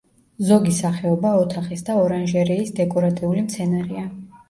ზოგი სახეობა ოთახის და ორანჟერეის დეკორატიული მცენარეა.